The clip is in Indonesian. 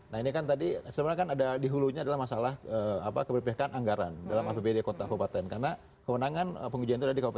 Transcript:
nah ini kan tadi sebenarnya kan ada di hulunya adalah masalah keberpihakan anggaran dalam apbd kota kabupaten karena kewenangan pengujian itu ada di kabupaten